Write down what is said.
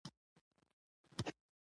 د کلیزو منظره د افغانستان د بڼوالۍ برخه ده.